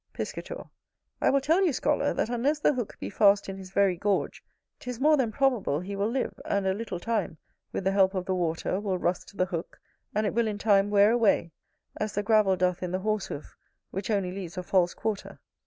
Piscator. I will tell you, scholar, that unless the hook be fast in his very gorge, 'tis more than probable he will live, and a little time, with the help of the water, will rust the hook, and it will in time wear away, as the gravel doth in the horse hoof, which only leaves a false quarter.